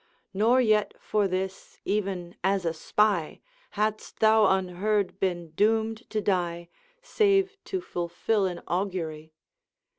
Nor yet for this, even as a spy, Hadst thou, unheard, been doomed to die, Save to fulfil an augury.'